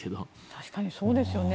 確かにそうですね。